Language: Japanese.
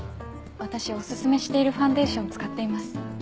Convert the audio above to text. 私お薦めしているファンデーション使っています。